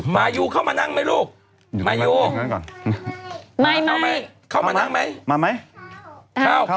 มายูเข้ามานั่งไหมลูก